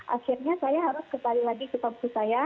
akhirnya saya harus kembali lagi ke kampus saya